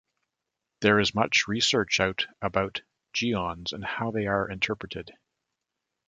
There is much research out about geons and how they are interpreted.